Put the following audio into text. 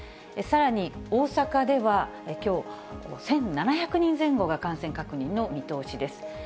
さらに、大阪ではきょう、１７００人前後が感染確認の見通しです。